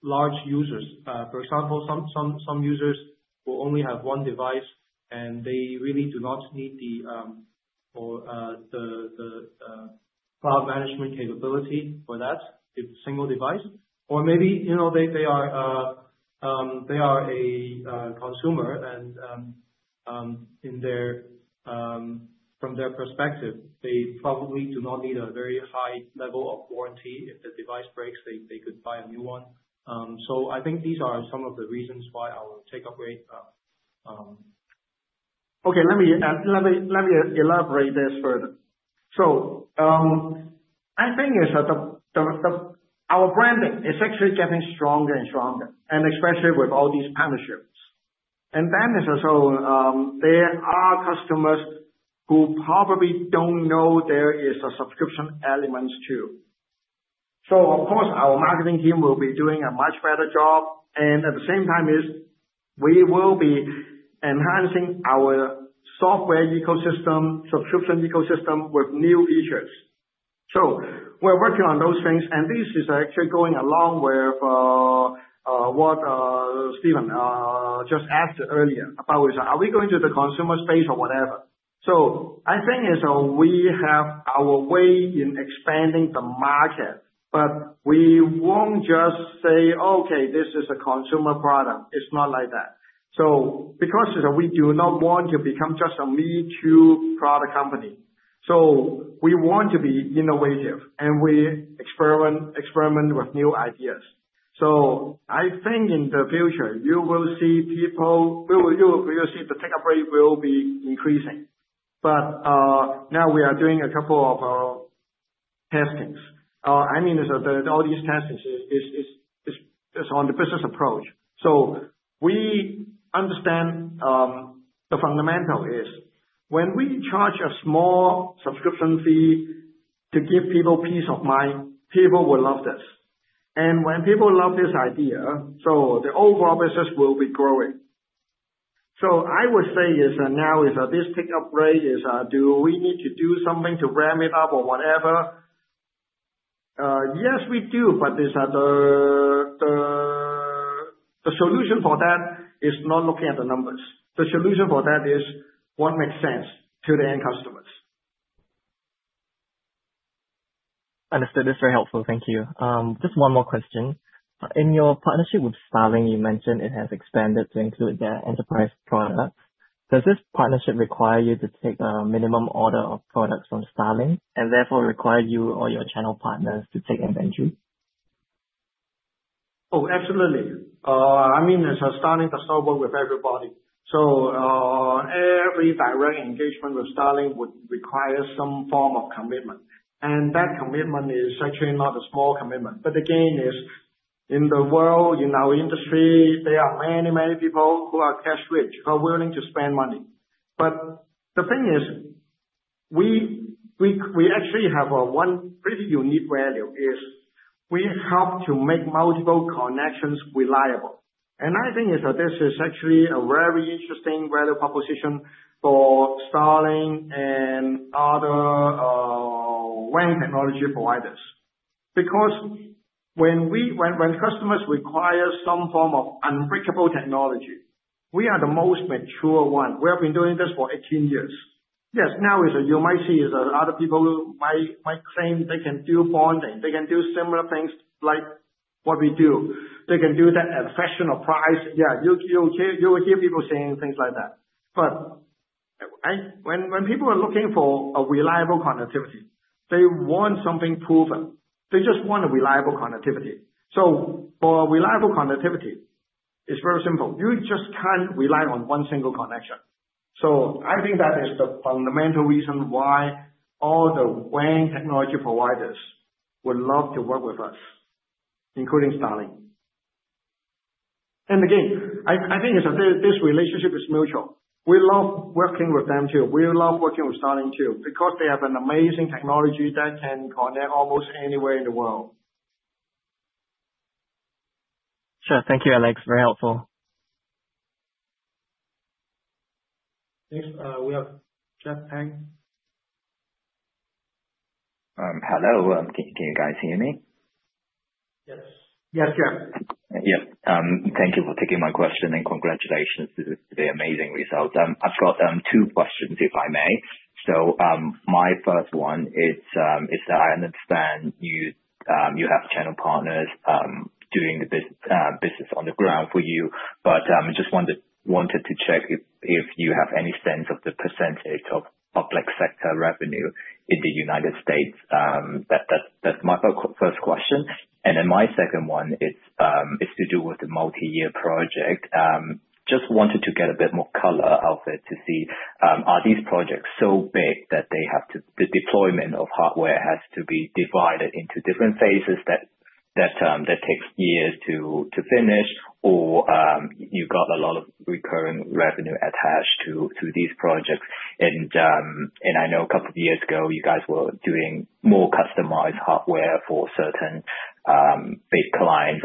large users. For example, some users will only have one device, and they really do not need the cloud management capability for that single device. Or maybe they are a consumer, and from their perspective, they probably do not need a very high level of warranty. If the device breaks, they could buy a new one. So I think these are some of the reasons why our take-up rate. Okay. Let me elaborate this further. So I think is that our brand is actually getting stronger and stronger, and especially with all these partnerships, and then so there are customers who probably don't know there is a subscription element too. So of course, our marketing team will be doing a much better job, and at the same time, we will be enhancing our software ecosystem, subscription ecosystem with new features. So we're working on those things, and this is actually going along with what Stephen just asked earlier about, are we going to the consumer space or whatever? So I think is we have our way in expanding the market, but we won't just say, "Okay, this is a consumer product." It's not like that, so because we do not want to become just a me-too product company. So we want to be innovative, and we experiment with new ideas. So I think in the future, you will see the take-up rate will be increasing. But now we are doing a couple of testings. I mean, all these testings is on the business approach. So we understand the fundamental is when we charge a small subscription fee to give people peace of mind, people will love this. And when people love this idea, so the overall business will be growing. So I would say, now is this take-up rate, do we need to do something to ramp it up or whatever? Yes, we do. But the solution for that is not looking at the numbers. The solution for that is what makes sense to the end customers. Understood. That's very helpful. Thank you. Just one more question. In your partnership with Starlink, you mentioned it has expanded to include their enterprise products. Does this partnership require you to take a minimum order of products from Starlink and therefore require you or your channel partners to take inventory? Oh, absolutely. I mean, Starlink does not work with everybody. So every direct engagement with Starlink would require some form of commitment. And that commitment is actually not a small commitment. But again, in the world, in our industry, there are many, many people who are cash rich, who are willing to spend money. But the thing is, we actually have one pretty unique value is we help to make multiple connections reliable. And I think this is actually a very interesting value proposition for Starlink and other WAN technology providers. Because when customers require some form of unbreakable technology, we are the most mature one. We have been doing this for 18 years. Yes, now you might see other people might claim they can do bonding. They can do similar things like what we do. They can do that at a fashionable price. Yeah. You will hear people saying things like that, but when people are looking for a reliable connectivity, they want something proven. They just want a reliable connectivity, so for reliable connectivity, it's very simple. You just can't rely on one single connection, so I think that is the fundamental reason why all the WAN technology providers would love to work with us, including Starlink, and again, I think this relationship is mutual. We love working with them too. We love working with Starlink too because they have an amazing technology that can connect almost anywhere in the world. Sure. Thank you, Alex. Very helpful. Next, we have Jeff Pang. Hello. Can you guys hear me? Yes. Yes, Jeff. Yes. Thank you for taking my question and congratulations to the amazing results. I've got two questions, if I may. So my first one is that I understand you have channel partners doing the business on the ground for you. But I just wanted to check if you have any sense of the percentage of public sector revenue in the United States. That's my first question. And then my second one is to do with the multi-year project. Just wanted to get a bit more color of it to see are these projects so big that the deployment of hardware has to be divided into different phases that takes years to finish, or you've got a lot of recurring revenue attached to these projects. And I know a couple of years ago, you guys were doing more customized hardware for certain big clients.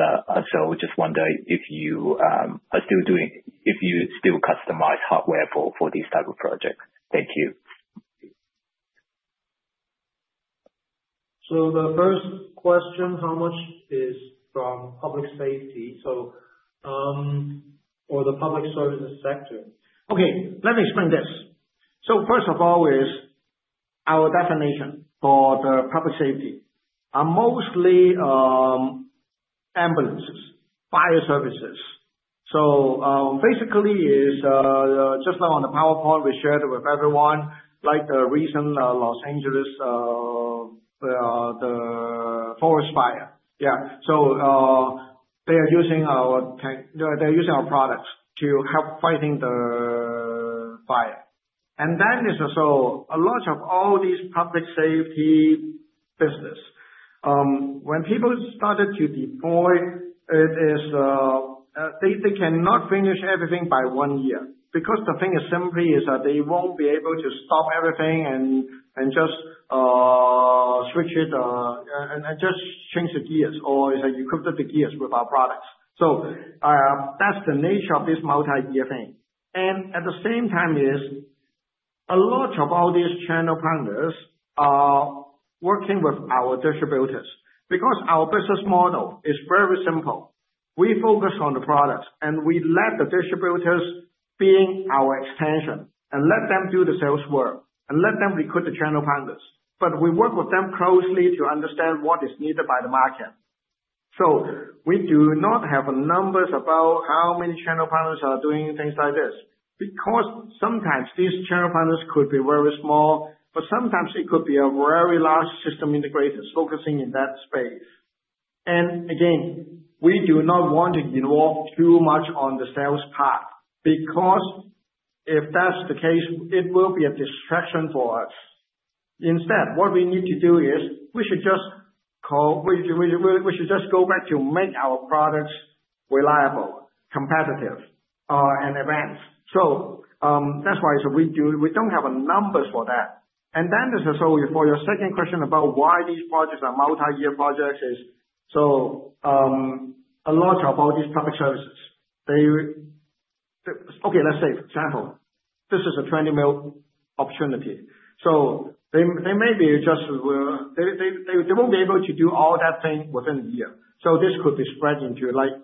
So, I just wonder if you still customize hardware for these type of projects? Thank you. The first question, how much is from public safety or the public services sector? Okay. Let me explain this. So first of all is our definition for the public safety are mostly ambulances, fire services. So basically, just on the PowerPoint we shared with everyone, like the recent Los Angeles forest fire. Yeah. So they are using our products to help fighting the fire. And then is so a lot of all these public safety business, when people started to deploy, they cannot finish everything by one year. Because the thing is simply that they won't be able to stop everything and just switch it and just change the gears or equip the gears with our products. So that's the nature of this multi-year thing. And at the same time is a lot of all these channel partners are working with our distributors. Because our business model is very simple. We focus on the products, and we let the distributors be our extension and let them do the sales work and let them recruit the channel partners. But we work with them closely to understand what is needed by the market. So we do not have numbers about how many channel partners are doing things like this. Because sometimes these channel partners could be very small, but sometimes it could be a very large system integrators focusing in that space. And again, we do not want to involve too much on the sales part. Because if that's the case, it will be a distraction for us. Instead, what we need to do is we should just go back to make our products reliable, competitive, and advanced. So that's why we don't have numbers for that. And then, so for your second question about why these projects are multi-year projects. It's all about these public services. Okay. Let's say, for example, this is a 20 mi opportunity. So they may just not be able to do all of that within a year. So this could be spread into like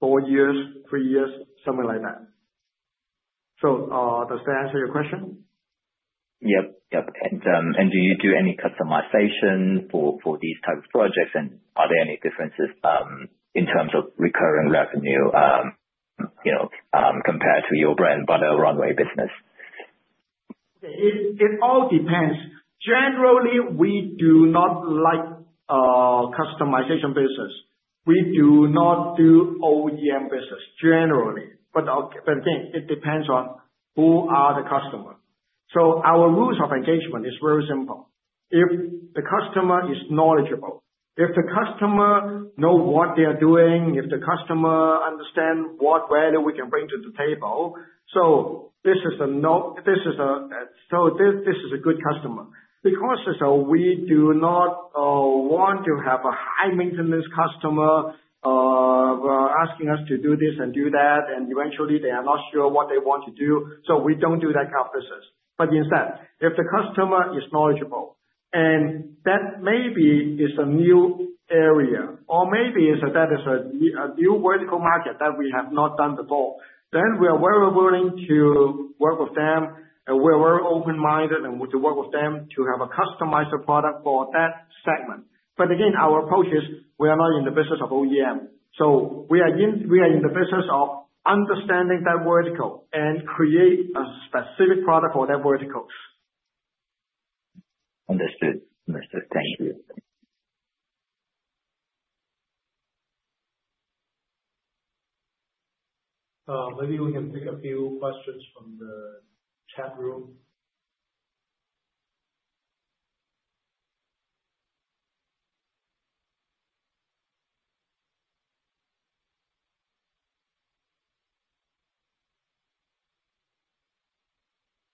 four years, three years, something like that. So does that answer your question? And do you do any customization for these type of projects? And are there any differences in terms of recurring revenue compared to your bread-and-butter business? It all depends. Generally, we do not like customization business. We do not do OEM business, generally. But again, it depends on who are the customers. So our rules of engagement is very simple. If the customer is knowledgeable, if the customer knows what they are doing, if the customer understands what value we can bring to the table, so this is a good customer. Because we do not want to have a high-maintenance customer asking us to do this and do that, and eventually, they are not sure what they want to do. So we don't do that kind of business. But instead, if the customer is knowledgeable, and that maybe is a new area, or maybe that is a new vertical market that we have not done before, then we are very willing to work with them. We are very open-minded and to work with them to have a customized product for that segment. But again, our approach is we are not in the business of OEM. So we are in the business of understanding that vertical and create a specific product for that vertical. Understood. Understood. Thank you. Maybe we can take a few questions from the chat room.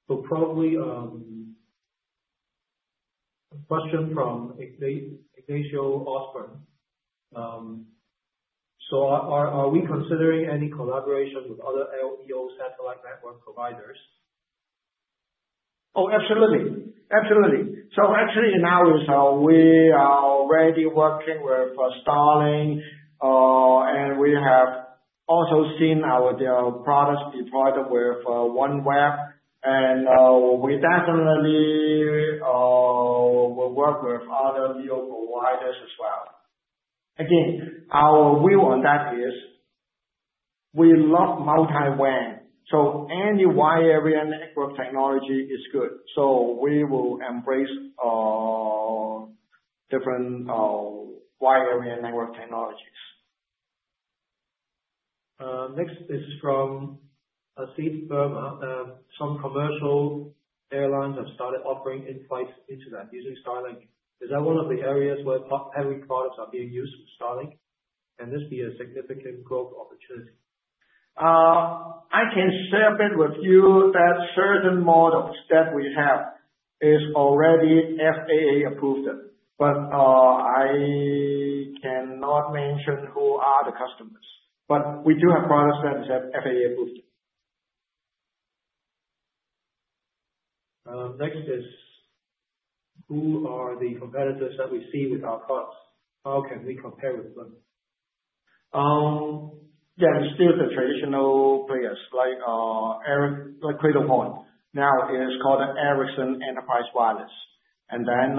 So probably a question from Ignacio Osborn. So are we considering any collaboration with other LEO satellite network providers? Oh, absolutely. Absolutely. So actually, now we are already working with Starlink, and we have also seen our products deployed with OneWeb. And we definitely will work with other LEO providers as well. Again, our view on that is we love multi-WAN. So any wide area network technology is good. So we will embrace different wide area network technologies. Next is from a sell-side firm. Some commercial airlines have started offering in-flight internet using Starlink. Is that one of the areas where Peplink products are being used for Starlink? Can this be a significant growth opportunity? I can share a bit with you that certain models that we have is already FAA approved. But I cannot mention who are the customers. But we do have products that have FAA approved. Next is who are the competitors that we see with our products? How can we compare with them? Yeah. It's still the traditional players like Cradlepoint. Now it is called Ericsson Enterprise Wireless. And then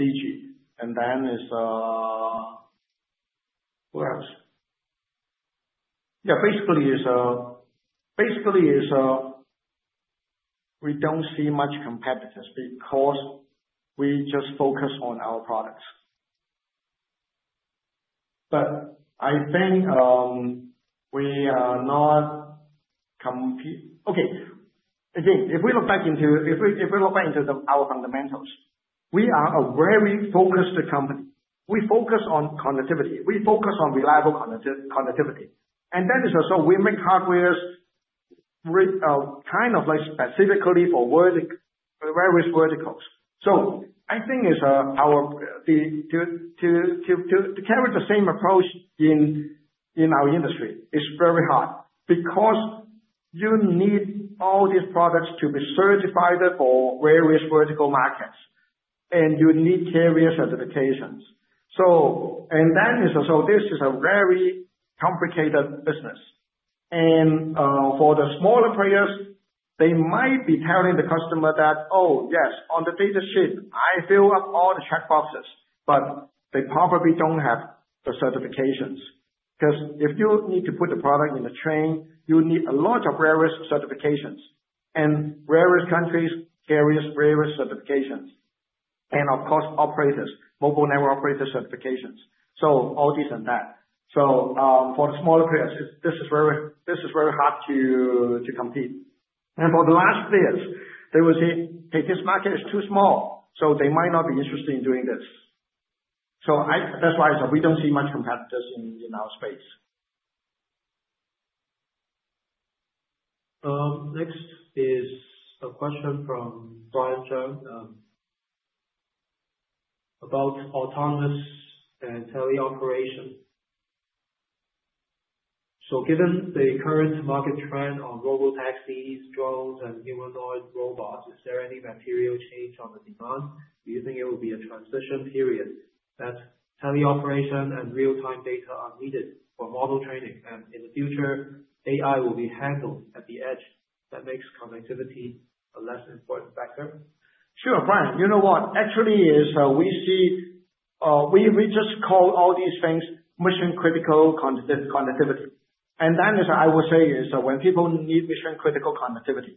Digi. And then is who else? Yeah. Basically, we don't see much competitors because we just focus on our products. But I think we are not okay. Again, if we look back into our fundamentals, we are a very focused company. We focus on connectivity. We focus on reliable connectivity. And then is so we make hardwares kind of specifically for various verticals. So I think it's hard to carry the same approach in our industry is very hard because you need all these products to be certified for various vertical markets. And you need carrier certifications. And then is so this is a very complicated business. And for the smaller players, they might be telling the customer that, "Oh, yes. On the data sheet, I fill up all the checkboxes, but they probably don't have the certifications. Because if you need to put the product in the train, you need a lot of various certifications, and various countries, carriers, various certifications, and of course, operators, mobile network operator certifications, so all this and that. For the smaller players, this is very hard to compete, and for the large players, they will say, "Hey, this market is too small," so they might not be interested in doing this, so that's why we don't see much competitors in our space. Next is a question from Brian Chung about autonomous and teleoperation. So given the current market trend on robotaxis, drones, and humanoid robots, is there any material change on the demand? Do you think it will be a transition period as teleoperation and real-time data are needed for model training? And in the future, AI will be handled at the edge. That makes connectivity a less important factor? Sure. Brian, you know what? Actually, we just call all these things mission-critical connectivity. And then is, I will say, is when people need mission-critical connectivity,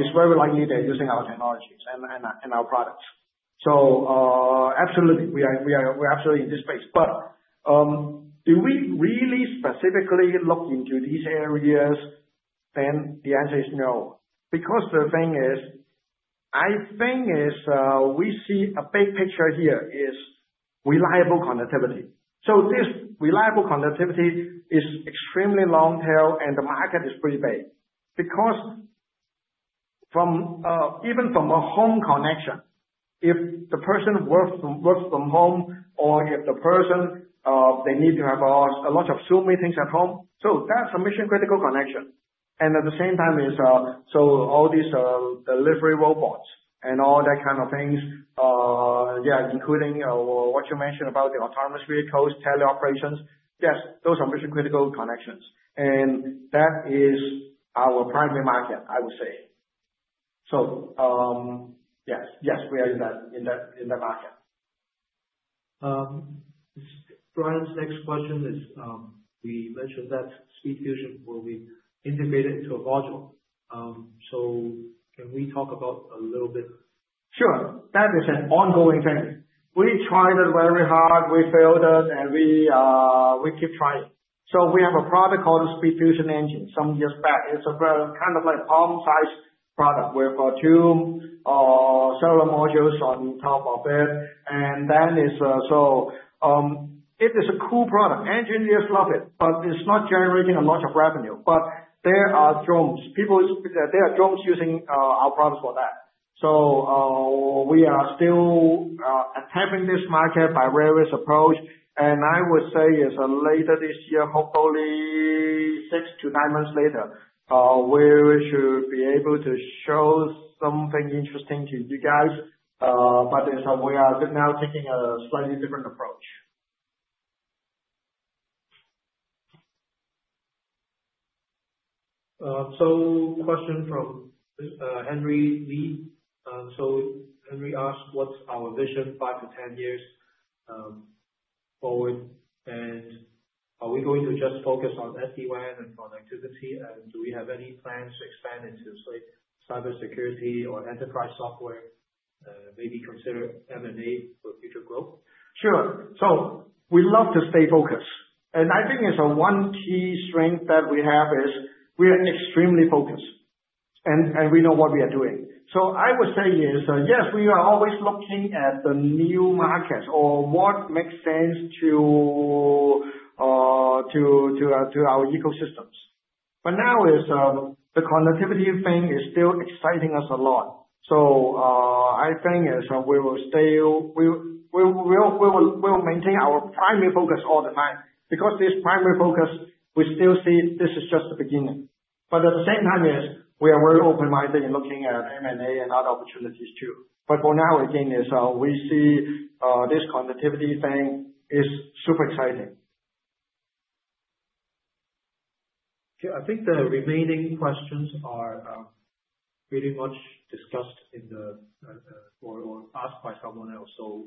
it's very likely they're using our technologies and our products. So absolutely, we are absolutely in this space. But do we really specifically look into these areas? Then the answer is no. Because the thing is, I think we see a big picture here is reliable connectivity. So this reliable connectivity is extremely long-tail, and the market is pretty big. Because even from a home connection, if the person works from home or if the person, they need to have a lot of Zoom meetings at home. So that's a mission-critical connection. And at the same time is so all these delivery robots and all that kind of things, yeah, including what you mentioned about the autonomous vehicles, teleoperations. Yes, those are mission-critical connections. That is our primary market, I would say. Yes, yes, we are in that market. Brian's next question is we mentioned that SpeedFusion will be integrated into a module. So can we talk about a little bit? Sure. That is an ongoing thing. We tried it very hard. We failed it, and we keep trying. So we have a product called the SpeedFusion Engine some years back. It's kind of like a palm-sized product with two cellular modules on top of it. And then, so it is a cool product. Engineers love it, but it's not generating a lot of revenue. But there are drones. There are drones using our products for that. So we are still attacking this market by various approaches. And I would say, later this year, hopefully six to nine months later, we should be able to show something interesting to you guys. But we are now taking a slightly different approach. So question from Henry Lee. So Henry asked, "What's our vision 5 to 10 years forward? And are we going to just focus on SD-WAN and connectivity? And do we have any plans to expand into cybersecurity or enterprise software? And maybe consider M&A for future growth? Sure. So we love to stay focused. And I think it's one key strength that we have is we are extremely focused. And we know what we are doing. So I would say is yes, we are always looking at the new markets or what makes sense to our ecosystems. But now is the connectivity thing is still exciting us a lot. So I think is we will maintain our primary focus all the time. Because this primary focus, we still see this is just the beginning. But at the same time is we are very open-minded in looking at M&A and other opportunities too. But for now, again, is we see this connectivity thing is super exciting. Okay. I think the remaining questions are pretty much discussed in the Q&A or asked by someone else. So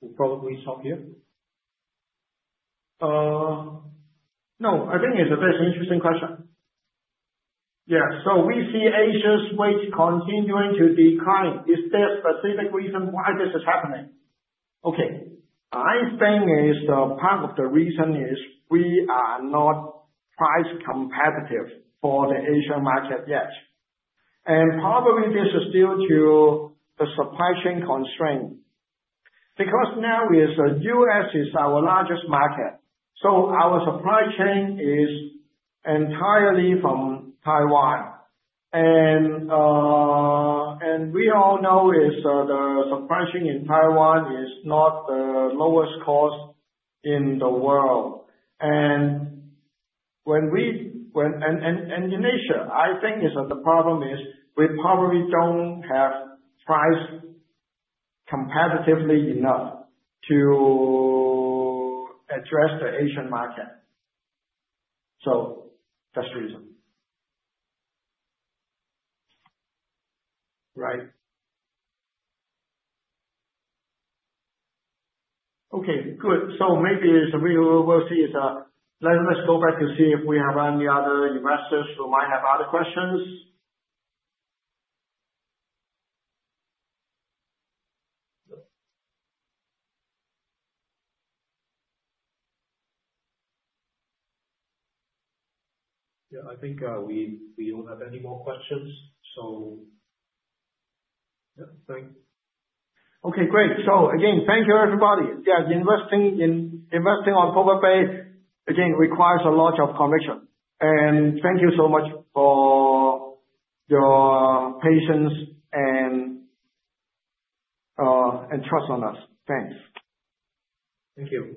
we'll probably stop here. No. I think it's a very interesting question. Yeah. So we see Asia's weight continuing to decline. Is there a specific reason why this is happening? Okay. I think part of the reason is we are not price competitive for the Asian market yet. And probably this is due to the supply chain constraint. Because now the U.S. is our largest market. So our supply chain is entirely from Taiwan. And we all know the supply chain in Taiwan is not the lowest cost in the world. And in Asia, I think the problem is we probably don't have price competitive enough to address the Asian market. So that's the reason. Right. Okay. Good. So maybe we'll see. Let's go back to see if we have any other investors who might have other questions. Yeah. I think we don't have any more questions. So yeah. Thanks. Okay. Great. So again, thank you, everybody. Yeah. Investing in Plover Bay, again, requires a lot of conviction. And thank you so much for your patience and trust in us. Thanks. Thank you.